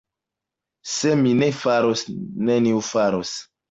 Se mi ne faros, neniu faros.